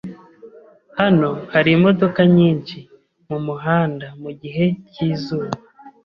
Hano hari imodoka nyinshi mumuhanda mugihe cyizuba.